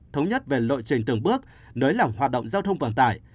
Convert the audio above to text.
thống nhất về lộ trình từng bước nới lỏng hoạt động giao thông vận tải